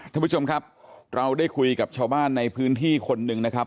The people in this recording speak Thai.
ท่านผู้ชมครับเราได้คุยกับชาวบ้านในพื้นที่คนหนึ่งนะครับ